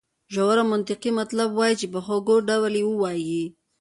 ژور او منطقي مطلب وایي په خوږ ډول یې وایي.